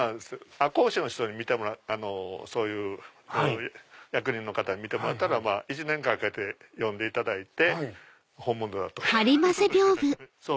赤穂市の人にそういう役人の方に見てもらったら一年かけて読んでいただいて本物だという。